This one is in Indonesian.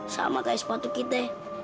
sama kayak sepatu kita